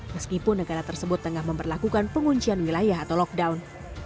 meskipun negara tersebut tengah memperlakukan penguncian wilayah atau lockdown